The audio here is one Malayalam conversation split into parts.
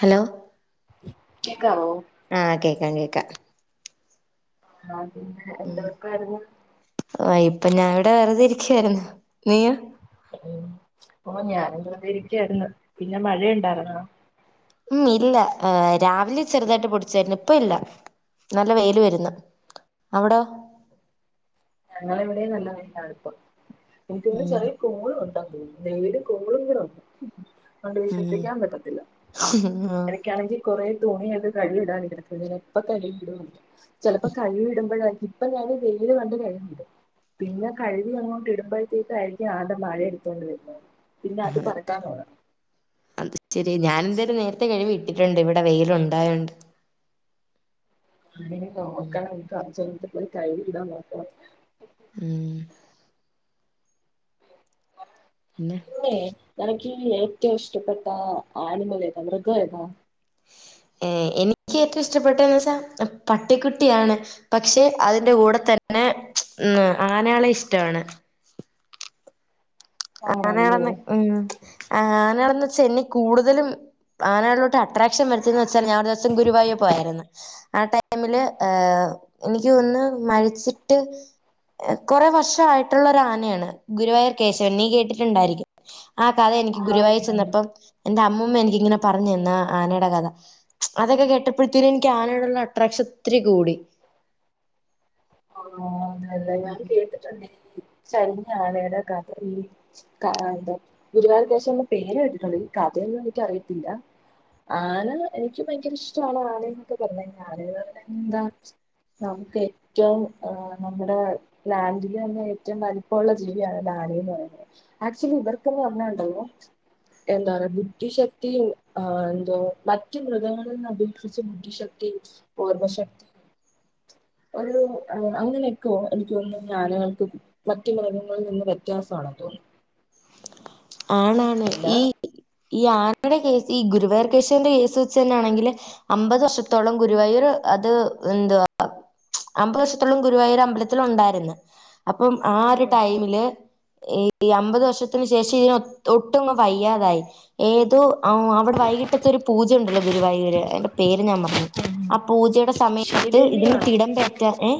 ഹലോ [inaudible] ആഹ് കേക്കാാം കേക്കാ ആ പിന്നെ എന്തൊക്കാരുന്നു അപ്പൊ ഞാൻ ഇവിടെ വെറുത ഇരിക്കുവായിരുന്നു നീയോ ഉ ഓ ഞാനും വെറുതേ ഇരിക്കായിരുന്നു പിന്നെ മഴയുണ്ടായിരുന്നോ ഉം ഇല്ല ർരാവിലെ ചെറുതായിട്ട് പൊടിച്ചായിരുന്നു ഇപ്പ ഇല്ല നല്ല വെയില് വരുന്നു അവിടോ ഞങ്ങളെവിടെയും നല്ല വെയിലാണിപ്പോ [unintelligible] ഉം ചെറിയ തുമ്മലു ഉണ്ടോ നെയ്യില് [unintelligible] അഒണ്ട് ഉം വിശ്വസിക്കാൻ പറ്റത്തില്ല ആഹ് എരക്കാണെങ്കി കൊറേ തുണിയെക്കെ കഴ്‌വി ഇടാൻ ഇര്ന്നപ്പഴേ എപ്പ കഴ്‌വി ഇടോ എന്തോ ചെലപ്പോ കഴ്‌വി ഇടുമ്പഴാ ഇപ്പൊ ഞാാന് വെയില് കണ്ട് ര പിന്നെ കഴ് വി അങ്ങോട്ട് ഇടുമ്പഴത്തേക്കായിയിരിക്കും ആടെ മഴ എടുത്തോണ്ട വരുന്നത് പിന്നെ അത് ആ പറക്കാൻ തുടങ്ങും അത് ശെരിയാ ഞാാനെന്തോലും നേരത്തെ കഴ് വി ഇട് ഇട്ടിട്ടുണ്ട് ഇവിടെ വെയില് ഉണ്ടായോണ്ട് ആ ഇനി നോക്കണം എനിക്കർജെൻഡ് പോയി കഴ്‌വി ഇടാം നോക്കണം ഉം പിന്നെ പിന്നേ നനക്ക് ഏറ്റവും ഇഷ്ടപ്പെട്ട ആനിമൽ ഏതാ മൃഗം ഏതാ ഏ എനിക്ക് ഏറ്റവും ഇഷ്ടപ്പെട്ട എന്ന് വച്ചാ പട്ടിക്കുട്ടിയാണ് പക്ഷെ അതിൻ്റെ കൂടെ തന്നെ ഉം ആനേളെ ഇഷ്ടാണ് ആണല്ലേ ആനളന്ന ഉം ആ ആനേളെ എന്ന് വെച്ച എനി കൂടുതലും ആനകളോട്ട് അട്രാക്ഷൻ വരുത്തുന്ന ച്ച ഞാരു ദിവസം ഗുരുവായൂർ പോയായിരുന്നു ആ ടൈം മില് എനി ക്കൊന്ന് മരിച്ചിട്ട് കൊറെ വർഷായിട്ടുള്ള ഒരു ആനയാണ് ഗുരുവായൂർ കേശ വൻ നീ കേട്ടിട്ടുണ്ടായിരിക്കും ആ കഥ എനിക്ക് ആ ഗുരുവായൂരു ഉണ്ടുണ്ട് ചെന്നപ്പം എന്റെ അമ്മൂ മ്മൂമ്മ എനിക്കിങ്ങനെ പറഞ്ഞതന്നാ ആനയുടെ കഥ അതൊക്കെ കേട്ടപ്പഴതേന് എനിക്ക് ആനയോടുളള അട്രാക്ഷൻ ഒത്തിരി കൂടി [inaudible] ഇല്ല ഞാൻ ഉം കേട്ടിട്ടുണ്ട് ഈ ചരി- ആനയുടെ കഥ മം കഥ ഗുരുവായൂർ കേശവൻ എന്ന പേര് കേട്ടിട്ടോണ്ട് ഈ കഥയൊന്നും എനിക്കറിയത്തില്ല ആന എനിക്ക് ഭയങ്കര ഇഷ്ടമാണ്. ആന എന്നുപറഞ്ഞ എന്താ നമുക്ക് ഏറ്റവും ഏഹ് നമ്മുടെ ലാൻഡിലുതന്നെ ഏറ്റവും വലിപ്പമുള്ള ജീവിയാണ് ആന എന്നുപറയുന്നത് ആക്ച്വലി ഇവർക്കെന്ന് പറഞ്ഞാലുണ്ടാലോ എന്താ പറയാ ബുദ്ധിശക്തിയും ആ എന്തോ മറ്റു മൃഗങ്ങളിൽന്ന് അപേക്ഷിച്ച് ബുദ്ധിശക്തിയും ഓർമ്മശക്തിയും- ഒരു അങ്ങനെയൊക്കോ എനിക്കുതോന്നുന്നു ഈ ആനകൾക്ക് മറ്റു മൃഗങ്ങളിൽനിന്ന് വ്യത്യാസമാണെന്നുതോന്നുന്നു ആണാണ് ഈ- ഈ ആനടെ കേസ് ഈ ഗുരുവായൂർ കേശവന്റെ കേസ് വെച്ചുതന്നാണെങ്കില്, അത് എന്തുവാ അമ്പത് വർഷത്തോളം ഗുരുവായൂർ അമ്പലത്തില് ഉണ്ടായിരുന്ന് അപ- അപ്പം ആ ഒരു ഓക്കെ ഓക്കെ ടൈമില്- ഈ അമ്പത് വർഷത്തിന് ശേഷം ഇയിന് [unintelligible] ഒട്ടും അങ്ങ് വയ്യാതായി ഏതോ ആ അവിടെ വൈകിട്ടത്തെ ഒരു പൂജ ഉണ്ടല്ലോ ഗുരുവായൂര് അയിൻ്റെ പേര് ഞാൻ മറന്നുപോയി ആ പൂജയുടെ സമയത്ത് ശീവേലി ഇതിന് കാണോ തിടമ്പേറ്റാൻ ഏ-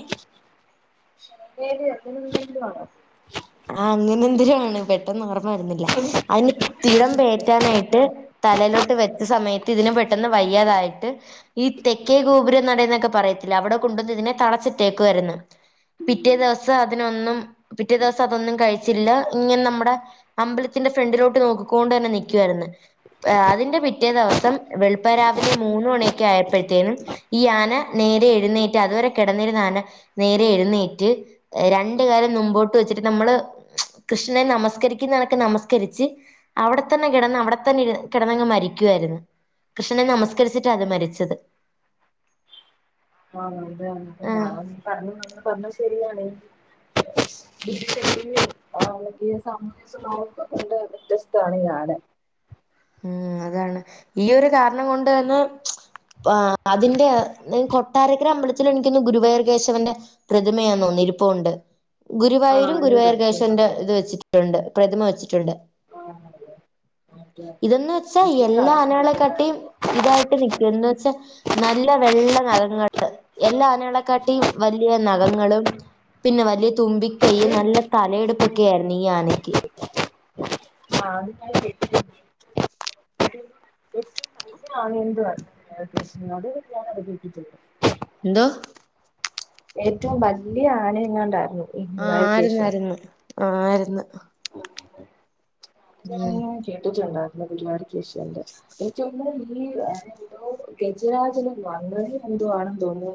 ശീവേലി [unintelligible] [inaudible] ആ അങ്ങനെ എന്തൊരോ ആണ് പെട്ടെന്ന് ഓർമ്മ ഓർമ്മവരുന്നില്ല അതിന് തിടം പേറ്റാനായിട്ട് തലയിലോട്ട് വെച്ച സമയത്ത് ഇതിന് പെട്ടെന്ന് വയ്യാതായിട്ട് ഈ തെക്കേ ഗോപുരം നടയുന്നൊക്കെ പറ- പറയത്തില്ല അവിടെ കൊണ്ടുവന്ന് ഇതിനെ തളച്ചിട്ടേക്കുവായിരുന്നു പിറ്റേ ദിവസം അതിനൊന്നും - അതൊന്നും കഴിച്ചില്ല ഇങ്ങനെ നമ്മുടെ അമ്പലത്തിന്റെ ഫ്രണ്ടിലോട്ട് നോക്കിക്കൊണ്ട് തന്നെ നിക്ക് നിൽക്കുവായിരുന്നു അതിന്റെ പിറ്റേ ദിവസം വെളുപ്പാൻ രാവിലെ മൂന്നുമണിയൊക്കെ ആയപ്പഴത്തേനും ഈ ആന നേരെ എഴുന്നേറ്റ് അതുവരെ- കിടന്നിരുന്ന ആന നേരെ എഴുന്നേറ്റ് രണ്ട് കാലും മുൻമ്പോട്ട്- വച്ചിട്ട് നമ്മള് കൃഷ്ണനെ നമസ്കരിച്ച്, അവിടെ തന്നെ ഇരു കിടന്നങ്ങ് മരിക്കുവായിരുന്നു കൃഷ്ണനെ നമസ്കരിച്ചിട്ടാ അത് മരിച്ചത് ആ അതെയ [unintelligible] തെ ആഹ് ഞാൻ പറഞ്ഞു പറഞ്ഞത് ശരിയാണ് ബുദ്ധിശക്തിയും ആ മറ്റേ സാമ്പത്തിക സ്ത്രോതസ് ഒക്കെക്കൊണ്ട് വ്യത്യസ്താണ് ഈ നാട് മം അതാണ് ഈ ഒരു കാരണം കൊണ്ടാണ്- ആ അതിന്റെ കൊട്ടാരക്കര അമ്പല എനിക്കുതോന്നുന്നു ഗുരുവായൂർ കേശവന്റെ പ്രതിമയാന്ന് തോന്നുന്നു ഇരുപ്പോണ്ട് ഗുരുവായൂരും ആഹ് ഞാൻ ഗുരുവായൂർ കേശവൻ്റെ കണ്ടിട്ടുണ്ട് ഇത് വെച്ചിട്ടുണ്ട് പ്രതിമ വചിരിക്കുന്നത് അതെ അതെ വച്ചിട്ടോണ്ട് ഇതെന്ന് വെച്ചാ എനിക്ക് എല്ലാ കഥ കേട്ടിട്ടുണ്ട് ആനകളെക്കാട്ടെയും ഇതായിട്ട് നൽക്കും എന്നന്ന് വെച്ചാ നല്ല വെള്ള നഖങ്ങൾ എല്ലാ ആനകളെക്കാട്ടെയും വലിയ നഖങ്ങളും പിന്നെ വലിയ തുമ്പിക്കൈയ് അത് നല്ല തലയെടുപ്പൊക്കെ ആയിരുന്നു ഈ ആനക്ക് ആ [unintelligible] എന്തോ? ഏറ്റവും വലിയ ആന എങ്ങണ്ടായിരുന്നു ആ ആയിരുന്ന് ആ ആയിരുന്നു [inaudible] ഉം ഞാനിങ്ങനെ കേട്ടിട്ട്ണ്ട് [unintelligible] പരിപാടി കേശവൻ്റെ എനിക്കോന്ന് ഈ എന്തോ ഗജരാജന് [unintelligible] എന്തോ ആണെന്ന് തോന്നുന്നു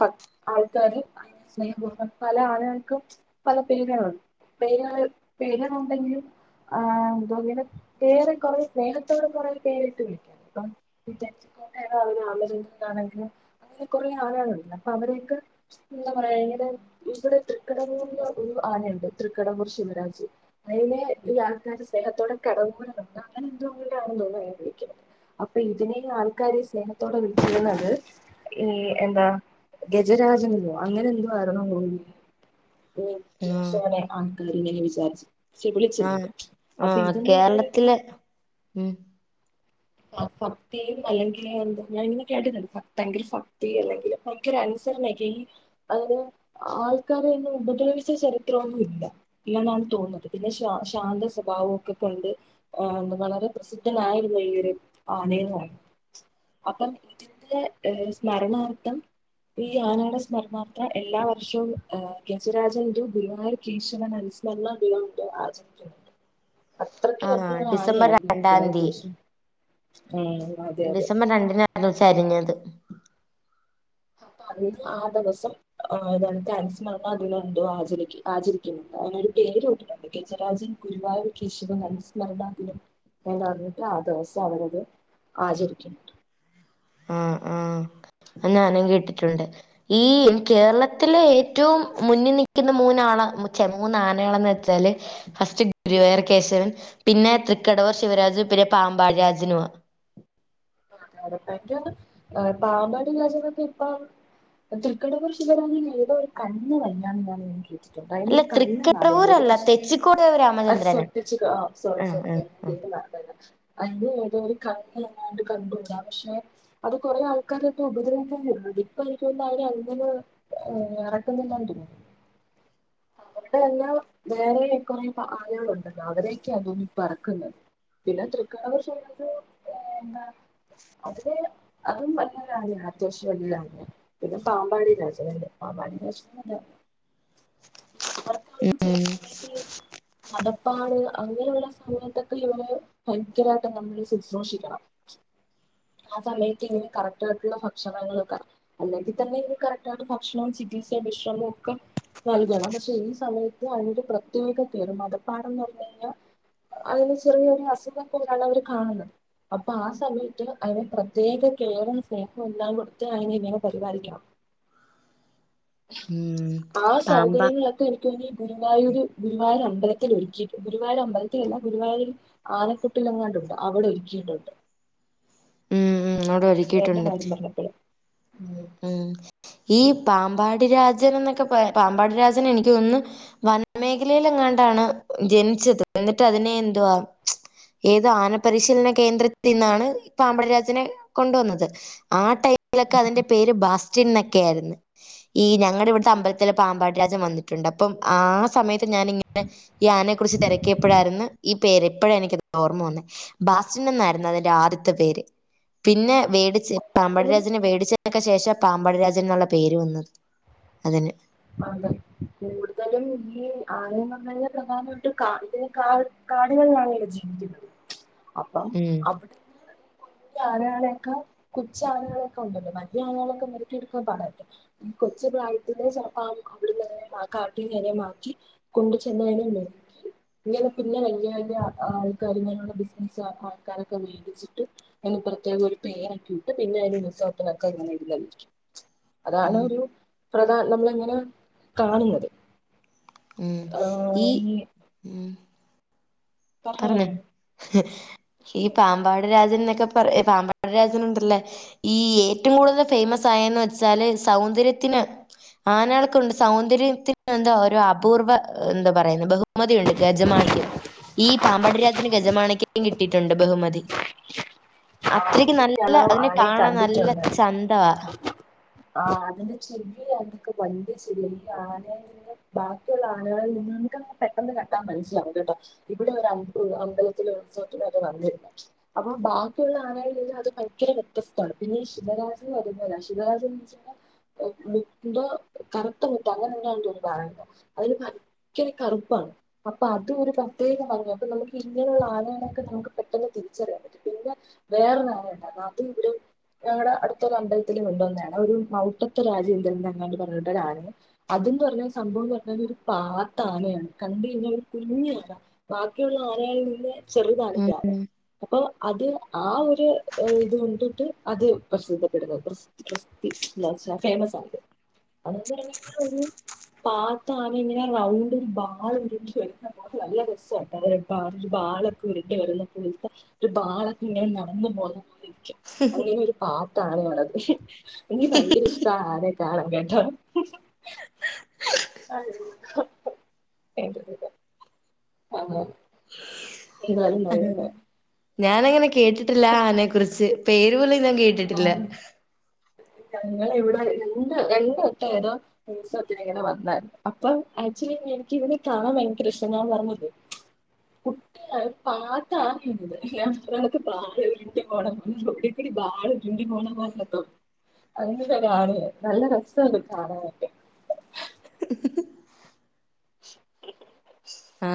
സ ആൾക്കാര് സ്നേഹ [unintelligible] പല ആനകൾക്കും പലപേരുകളുണ്ട് പേരുകള് പേര്കളുണ്ടെങ്കിലും ആ എന്തോ ഇങ്ങനെ ഏറെ കൊറെ സ്നേഹത്തോടെ കൊറെ പേരിട്ട് വിളിക്കാണ് ഇപ്പം [unintelligible] ആഗ്രഹിച്ചിട്ടാണെങ്കിലും [unintelligible] കൊറേ ആനകളുണ്ട അപ്പൊ അവരെയൊക്കെ എന്താ പറയാ എങ്ങനെ ഇവിടെ തൃക്കടമൂ [unintelligible] ഒരു ആനയുണ്ട് തൃക്കടമൂർ ശിവരാജ് അയിനെ ഈ ആൾക്കാര് സ് സ്നേഹത്തോടെ കടവൂര് ന്നോ ന്തോ അങ്ങനെ എന്തോ ഊരാണെന്ന് തോന്നുന്നു അയിനെ വിളിക്കുന്നത് അപ്പൊ ഇതിനെ ആൾക്കാര് സ്നേഹത്തോടെ വിളിക്കുന്നത് ഈ എന്താ ഗജരാജനെന്നോ അങ്ങനെ എന്തോ ആരുന്നു തോന്നുന്നു [unintelligible] ആ കാര്യങ്ങനെ വിചാരിച്ച് ആ വിളിച്ചിരുന്നത് ആ അപ്പൊ ഇതെന്ന് പറഞ്ഞു കഴിഞ്ഞാൽ കേരളത്തില് ഉം ആ ഭക്തിയും അല്ലെങ്കില് എന്താ ഞാന ഇങ്ങനെ കേട്ടിട്ടണ്ട് ഭയങ്കര ഭക്തി അല്ലെങ്കില് ഭയങ്കര അനുസരണക്കെ അതിന് ആൾക്കാരെ ഒന്നും ഉപദ്രവിച്ച ചരിത്രവൊന്നും ഇല്ല ഇല്ലെന്നാണ് തോന്നുന്നത് പിന്നെ ശാ ശാന്ത സ്വഭാവം ഒക്കെ കൊണ്ട് [unintelligible] പ്രസിദ്ധനായിരുന്നു ഈ ഒര് ആനെന്ന് പറയാം അപ്പം ഇതിൻ്റെ സ്മരണാർത്ഥം ഈ ആനേടെ സ്മരണ ത്ര എല്ലാ വർഷവും ഗജരാജൻ ദു ഗുരുവായൂർ കേശവൻ അനുസ്മരണ ദിനം മറ്റോ ആചരിക്കുന്നുണ്ട് അത്രയ്ക്ക് ആ വലിയ ഒരു ഡിസംബർ ആനയായിരുന്നു ഗുരുവായൂർ രണ്ടാംതി കേശവൻ ഉം അതെ അതെ ഡിസംബർ രണ്ടിനാണ് ചരിഞ്ഞത് അപ്പൊ അതിന്ന് ആ ദിവസം [unintelligible] അനുസ്മരണാ ദിനം ന്തോ ആചരിക്ക് ആചരിക്കുന്നുണ്ട് അവനൊരു പേരു ഇട്ടിട്ടുണ്ട് ഗജരാജൻ ഗുരുവായൂർ കേശവൻ അനുസ്മരണാദിനം എന്ന അറിഞ്ഞിട്ട് ആ ദെവസം അവരത് ആചരിക്കുന്നു ആ ആ അ അ് ഞാനും കേട്ടിട്ടുണ്ട് ഈ കേരളത്തിലെ ഏറ്റവും മുന്നിൽ നിക്കുന്ന മൂന്നാള ച്ചെ മൂന്ന് ആനകളന്ന് വെച്ചാല് ഫസ്റ്റ് ഗുരുവായൂർ കേശവൻ പിന്നെ തൃക്കടവൂർ ശിവരാജു പിന്നെ പാമ്പാഴ രാജനുമാ അതെ അതെ എനിക്ക് ഓന്ന് ന്നും പാമ്പാടി രാജനൊക്കെ ഇപ്പം തൃക്കടവൂർ ശിവരാമന് ഏതോ ഒരു കണ്ണ് വയ്യാന്ന് ഞാനിങ്ങനെ കേട്ട അല്ല അയിനൊരു കണ്ണ് കാണില്ല ഒരു തൃക്കടവൂരല്ല വർഷ തെച്ചിക്കോട് രാമചന്ദ്രനാ ആഹ് ആഹ് ആഹ് [unintelligible] അതിന് ഏതോ ഒരു കണ്ണെങ്ങാണ്ട് കണ്ടൂടാ പക്ഷെ അത് കൊറെ ആൾക്കാരെയെക്കെ ഉപദ്രവിക്കൻ വ ര്ന്ന്ണ്ട് ഇപ്പൊ എനിക്ക് ഓന്നുന്നു അവരങ്ങനെ എറക്കുന്നില്ലാന്ന് തോന്നു [unintelligible] ആനകളുണ്ടല്ലോ അവരെയൊക്കെയാ ഇപ്പൊ എറക്കുന്നത് പിന്നെ തൃക്കടവൂർ ശിവരാമ [unintelligible] അതില് അതും വൽയൊരു ആനയാ അത്യാവശ്യം വല്യൊരു ആനയാ പിന്നെ പാമ്പാടി രാജന്ണ്ട് പാമ്പാടി രാജനുതേ പിന്നെ ഇവർക്കാ ഒരു ചെല ഉം സമയത്ത് മദം പ്പാണ് അങ്ങനെയുള്ള സമയത്തൊക്കെ ഇവരേ ഭയങ്കരായിട്ട് നമ്മള് ശിശ്രൂഷിക്കണം ആ സമയത്ത് ഇങ്ങനെ കറക്റ്റ് ആയിട്ടുള്ള ഭക്ഷണങ്ങൾ ഒക്കെഅല്ലെങ്കിൽ തന്നെ ഇ കറക്റ്റ് ആയിട്ട് ഭക്ഷണവും ചികിത്സ വിശ്രമവും ഒക്കെ നൽകണം പക്ഷെ ഈ സമയത്ത് അതിനൊരു പ്രത്യേക കേറിമാറ്റം പ്പാടന്ന് പറഞ്ഞു കഴിഞ്ഞാ അതിന് ചെറിയൊരു അസുഖം പോലാണ് അവര് കാണുന്നത് അപ് പ്പാ ആ സമയത്ത് അതിനെ പ്രത്യേക കേറും സ്നേഹം എല്ലാം കൊടുത്ത് അതിനെ ഇങ്ങനെ പരിപാലിക്കണം ഉം ആ പാമ്പ സൗകര്യങ്ങളൊക്കെ എനിക്ക് തോന്ന് ന് ഗുരുവായൂര് ഗുരുവായൂരാണ് അമ്പലത്തിൽ ഒരുക്കിയിട്ട് ഗുരുവായർ അമ്പത്തിലല്ല ഗുരുവായൂർ ആനക്കുട്ടിലങ്ങാണ്ടുണ്ട് അവിടെ ഒരുക്കിയിട്ടുണ്ട് ഉം ഇങ്ങോട് ഗുരുവായൂരിന്റെ ഒരുക്കിട്ടുണ്ട് കാര്യം പറഞ്ഞപ്പഴ് ഉം ഈ പാമ്പാടി രാജനെന്നൊക്കെ പ പാമ്പാടി രാജൻ എനിക്ക് തോന്നുന്നു വനമേഖലേൽ എങ്ങാണ്ടാണ് ജനിച്ചത് എന്നിട്ട് അതിനെ എന്തുവാ ഏതോ ആന പരിശീലന കേന്ദ്രത്തി നിന്നാണ് പാമ്പാടി രാജനെ കൊണ്ടുവന്നത് ആ ടൈമിലൊക്കെ അതിന്റെ പേര് ബാസ്റ്റിൻന്നൊക്കെ ആയിരുന്നു ഈ ഞ അങ്ങനെ ഇവിടത്തെ അമ്പലത്തില് പാമ്പാടി രാജൻ വന്നു അപ്പം ആ സമയത്ത് ഞാനിങ്ങനെ ഈ ആനെ കുറിച്ച് തിരക്കിയപ്പോഴായിരുന്നു ഈ പേരിപ്പോഴാണ് എനിക്ക് ഓർമ്മ വന്ന ബാസ്റ്റിൻ എന്നായിരുന്നു അതിന്റെ ആദ്യത്തെ പേര് പിന്നെ മേടിച്ച് കൂടുതലും പാമ്പടിരാജനെ - അതിനൊക്കെ ശേഷം പാമ്പടരാജൻന്നുള്ള പേര് വന്നത് അതിന് അതെ കൂടുതലും ഈ ആന [unintelligible] പ്രധാനമായിട്ടും കാടുകളിലാണല്ലോ ഇവിടെ ജീവിക്കുന്നത് അപ്പം ഉം അവിടെ ആനകൾ ഉണ്ടല്ലോ വലിയ ആനളൊക്കെ മെരുക്കിയെടുക്കാൻ പാടല്ലെ ഈ കൊച്ചു പ്രായത്തിലെ അവിടുന്ന് കാട്ടിന്ന്മാക്കി കൊണ്ട ചെന്നതിനും മെരുക്കി ഇങ്ങനെ പിന്നെ വലിയ വലിയ ആൾക്കാർ ഇങ്ങനെയുള്ള ബിസിനസ് ആൾക്കാരൊക്കെ മേടിച്ചിട്ട് ഐന്ന് പ്രത്യേകം ഒരു പേരക്കിയിട്ട് പിന്നെ അതിനും ഉത്സവത്തിനൊക്കെ [unintelligible] അതാണ് ഉം ഒരു [unintelligible] കാണുന്നത് ഉം ഈ പറഞ്ഞല്ലോ പറഞ്ഞു ഈ പാമ്പാട് രാജ ന്നൊക്കെ പറ പാമ്പരാജനുണ്ടല്ലോ ഈ ഏറ്റവും കൂടുതൽ ഫേമസ് ആയന്ന് വെച്ചാല് സൗന്ദര്യത്തിന് ആനാൾക്കുണ്ട് സൗന്ദര്യത്തിന് എന്താ ഒരു അപൂർവ എന്താ പറയുന്ന ബഹുമതി ഉണ്ട് ഗജമാണിക്യം ഈ പാമ്പടി രാജന് ഗജമാണക്യം കിട്ടിയിട്ടുണ്ട് ബഹുമതി അത്രക്ക് ഞാൻ നല്ല അതിനെ ആനയെ കാണൻ നല്ല കണ്ടിട്ടുണ്ട് ചന്തവാ [unintelligible] ബാക്കിയുള്ള ആനകളിൽ നിന്ന് ഇൻക്ക് അങ്ങനെ പെട്ടെന്ന് കണ്ടാ മനസ്സിലാവൂല ട്ടോ ഇവിടെ ഒരു അമ്പലത്തിൽ ഉത്സവത്തിന് അത് വന്നിരുന്നു അപ്പൊ ബാക്കിയുള്ള ആനയിൽ നിന്ന് അത് ഭയങ്കര വ്യത്യസ്താണ് പിന്നെ ഈ ശിവരാത്രി [unintelligible] മുട്ട കറുത്ത മുട്ട അങ്ങനെ തന്നെയ തോന്നണു കാണാൻ അതിന് ഭയങ്കര കറുപ്പാണ് അപ്പൊ അത് ഒരു പ്രത്യേക ഭംഗിയാ അപ്പോ നമുക്ക് ഇങ്ങനെയുള്ള ആനേനൊക്കെ നമുക്ക് പെട്ടെന്ന് തിരിച്ചറിയാൻ പറ്റും പിന്നെ വേറൊരു ആന ഉണ്ടായിരുന്നു അത് ഈയിടെ ഞങ്ങടെ അടുത്തൊരു അമ്പലത്തിൽ വന്നേയാണ് ഒരു മൗട്ടത്തെ രാജേന്ദ്രൻ എന്ന അങ്ങാണ്ട് പറഞ്ഞിട്ടരാനയെ അതന്ന് പറഞ്ഞ സംഭവം കേട്ടാൽ ഒരു പാത്ത ആനയാണ് കണ്ട കഴിഞ്ഞാൽ ഒരു കുഞ്ഞു ബാക്കിയുള്ള ആനകളിൽ നിന്ന് ചെറുതാണ് യാദവ് ഉം അപ്പൊ അത് ആ ഒരു ഇത് കൊണ്ടിട്ട് അത് പ്രസിദ്ധപ്പെടുന്നത് [unintelligible] അതന്ന് പറഞ്ഞാ ഒരു പാത്ത ആന ഇങ്ങനെ റൗണ്ട് ഒരു ബാൾ ഉരുങ്ങി [unintelligible] വരുന്നപ്പോലത്തെ ഒരു ബാളൊക്കെ ഇങ്ങനെ നടന്നു പോകുന്ന പോലെ അങ്ങനെ ഒരു പാ [unintelligible] എനിക്ക് ഭയങ്കര ഇഷ്ട ആ [unintelligible] [inaudible] എന്താലും നല്ലതാ ഞാൻ അങ്ങനെ കേട്ടിട്ടില്ല ആനെ കുറിച്ച് പേരുപോലും - കേട്ടിട്ടില്ല ഞങ്ങള ഇവിടെ രണ്ട് രണ്ട് ട്ടോം ഏതോ ഉത്സവത്തിന് ങ്ങനെ വന്നാർന്നു അപ്പൊ ആക്ച്വലി എനിക്ക്‌ ഇവനെ കാണാൻ ഭയങ്കര ഇഷ്മാ ന്ന് പറഞ്ഞിട്ട് കുട്ടിയ [unintelligible] നിക്ക് [unintelligible] ലുങ്കി കോണ [unintelligible] അങ്ങനത്തെ കാണ നല്ല രസാത് കാണാനൊക്കെ ആ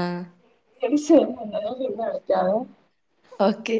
എടി [unintelligible] അടക്കാവെ ഓക്കെ